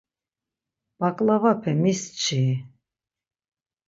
Baǩlavape mis çi?